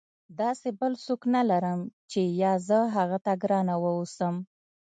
داسې بل څوک نه لرم چې یا زه هغه ته ګرانه واوسم.